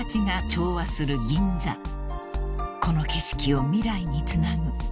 ［この景色を未来につなぐ］